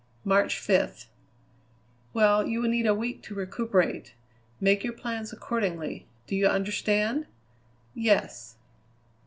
"March fifth." "Well, you will need a week to recuperate. Make your plans accordingly. Do you understand?" "Yes."